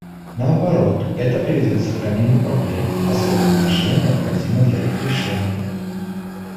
Наоборот, это приведет к сохранению проблем, ослабив нажим, необходимый для их решения.